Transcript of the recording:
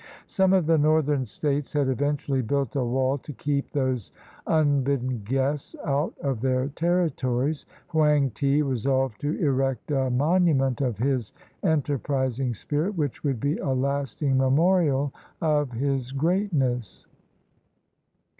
Some of the northern states had eventually built a wall to keep those unbidden guests out of their territories. Hoang ti resolved to erect a monu ment of his enterprising spirit which would be a lasting memorial of his greatness.